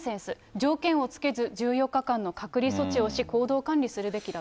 条件をつけず、１４日間の隔離措置をし、行動管理するべきだと。